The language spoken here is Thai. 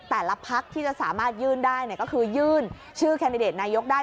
แต่ละพักที่จะสามารถยื่นได้ก็คือยื่นชื่อแคนดิเดตนายกได้